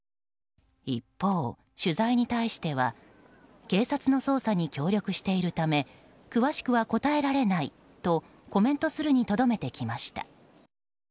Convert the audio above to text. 一方、取材に対しては警察の捜査に協力しているため詳しくは答えられないとコメントするにとどめてきました。